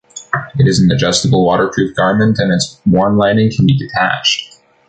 It is an adjustable waterproof garment and its warm lining can be detached.